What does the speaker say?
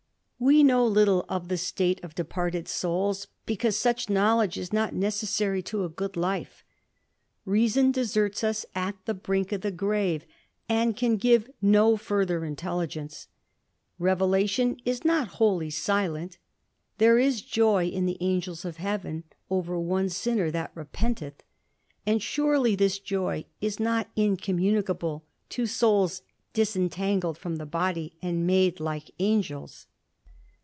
We know little of the state of departed souls, because svich knowledge is not necessary to a good life. Reason ^^serts us at the brink of the grave, and can give no further ^Xitelligence. Revelation is not wholly silent. There is joy *2P« the angels of Heaven over one sinner that repenteth ; and sanely this joy is not incommunicable to souls disentangled from the body, and made like angels.